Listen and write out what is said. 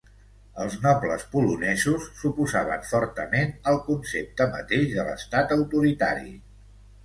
Els nobles polonesos s'oposaven fortament al concepte mateix de l'estat autoritari.